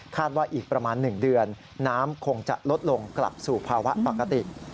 ว่าอีกประมาณ๑เดือนน้ำคงจะลดลงกลับสู่ภาวะปกติ